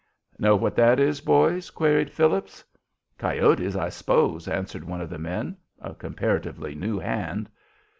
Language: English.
"Know what that is, boys?" queried Phillips. "Coyotes, I s'pose," answered one of the men, a comparatively new hand.